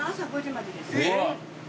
えっ！